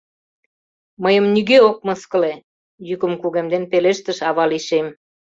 — Мыйым нигӧ ок мыскыле! — йӱкым кугемден пелештыш ава лийшем.